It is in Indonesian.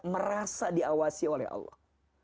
merasa diawasi oleh allah